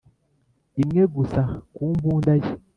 imwe gusa ku mbunda ye